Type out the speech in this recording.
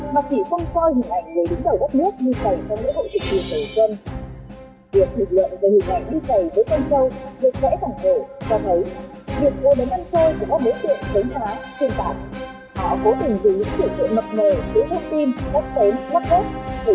mà chỉ xong soi hình ảnh người đứng đầu đất nước như cầy trong lễ hội thị trường sâu dân